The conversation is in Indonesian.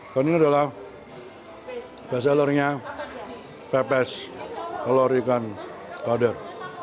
dan ini adalah best seller nya pepes telur ikan kader